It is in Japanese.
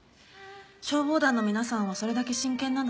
消防団の皆さんはそれだけ真剣なんだと思います。